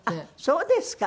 そうですか。